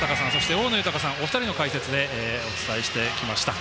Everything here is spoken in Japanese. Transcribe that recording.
大野豊さん、お二人の解説でお伝えしてきました。